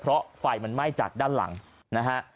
เพราะไฟมันไหม้จากด้านหลังนะฮะ